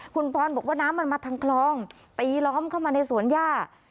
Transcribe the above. คุณปอนบอกว่าน้ำมันมาทางคลองตีล้อมเข้ามาในสวนย่า